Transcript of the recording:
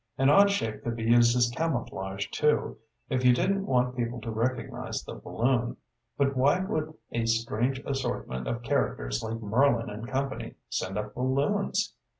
"An odd shape could be used as camouflage, too, if you didn't want people to recognize the balloon. But why would a strange assortment of characters like Merlin and company send up balloons?"